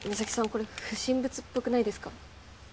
これ不審物っぽくないですか？